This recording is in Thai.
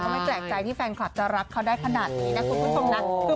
ไม่แตกใจที่แฟนคลับจะรักแบบนี้